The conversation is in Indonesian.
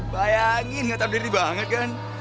bayangin ga tau diri banget kan